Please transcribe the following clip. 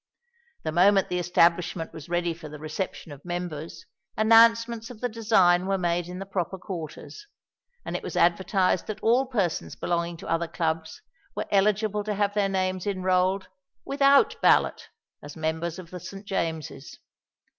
The moment the establishment was ready for the reception of members, announcements of the design were made in the proper quarters; and it was advertised that all persons belonging to other Clubs were eligible to have their names enrolled without ballot as members of the St. James's.